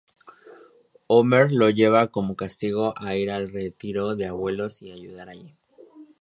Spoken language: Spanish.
Homer lo lleva como castigo a ir al Retiro de Abuelos y ayudar allí.